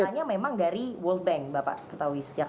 itu memang dari world bank bapak ketahui